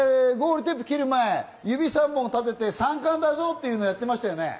ゴールテープ切る前、指３本立てて三冠だぞ！っていうのやってましたね。